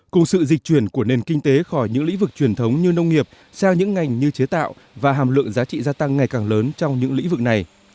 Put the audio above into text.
cùng sự dịch chuyển của nền kinh tế khỏi những lĩnh vực truyền thống như nông nghiệp sang những ngành như chế tạo và hàm lượng giá trị gia tăng ngày càng lớn trong những lĩnh vực này